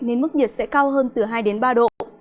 nên mức nhiệt sẽ cao hơn từ hai đến ba độ